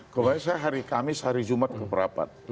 kalo saya hari kamis hari jumat ke perapat